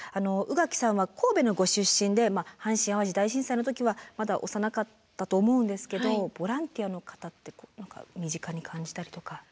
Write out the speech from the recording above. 宇垣さんは神戸のご出身で阪神・淡路大震災の時はまだ幼かったと思うんですけどボランティアの方って身近に感じたりとか。